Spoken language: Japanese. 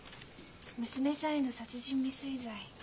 娘さんへの殺人未遂罪。